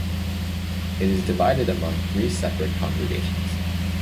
It is divided among three separate congregations.